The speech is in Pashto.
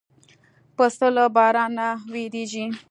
پسه له باران نه وېرېږي.